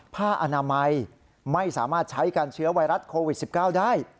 ผ้าอนามัยไม่สามารถใช้การเชื้อไวรัสโควิด๑๙ได้